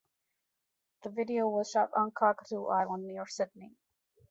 The video was shot on Cockatoo Island near Sydney.